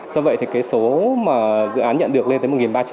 do vậy số dự án nhận được lên tới một ba trăm linh